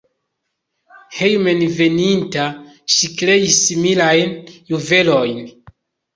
Hejmenveninta ŝi kreis similajn juvelojn.